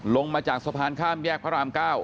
ลงมาจากสะพานข้ามแยกพระราม๙